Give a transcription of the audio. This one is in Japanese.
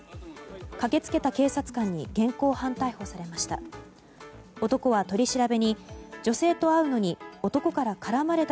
駆けつけた警察官に現行犯逮捕されました。